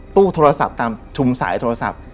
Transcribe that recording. ตู้โทรศัพท์ตามชุมสายโทรศัพท์